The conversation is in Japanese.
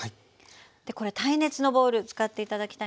でこれ耐熱のボウル使って頂きたいんですね。